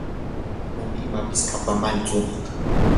manam imapis kapumanchu.